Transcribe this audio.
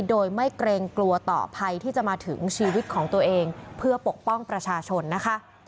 โดยไม่เกรงกลัวต่อภัยที่จะมาถึงชีวิตของตัวเองเพื่อปกป้องประชาชนนะคะ